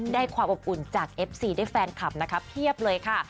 ความอบอุ่นจากเอฟซีได้แฟนคลับนะคะเพียบเลยค่ะ